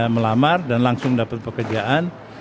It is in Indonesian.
melamar dan langsung dapat pekerjaan